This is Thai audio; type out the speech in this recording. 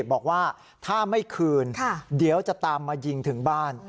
บอกว่าถ้าไม่คืนเดี๋ยวจะตามมายิงถึงบ้าน